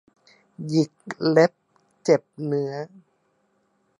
หยิกเล็บเจ็บเนื้อ